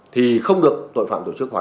thì không được tội phạm tổ chức